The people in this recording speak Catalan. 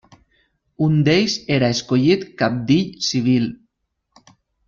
Un d'ells era escollit cabdill civil.